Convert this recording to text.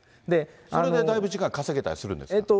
それでだいぶ、時間稼げたりするんですか？